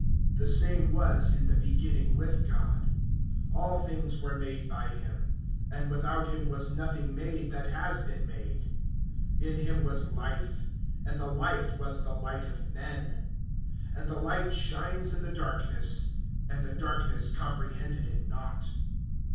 (2)The same was in the beginning with God. (3)All things were made by him[1:3]; and without him was nothing made that has been made. (4)In him was life; and the life was the light of men. (5)And the light shines in the darkness; and the darkness comprehended it not.